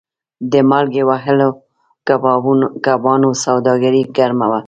د مالګې وهلو کبانو سوداګري ګرمه وه.